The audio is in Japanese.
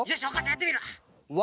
やってみるわ。